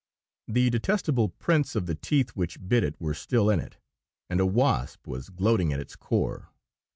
The detestable prints of the teeth which bit it were still in it, and a wasp was gloating at its core.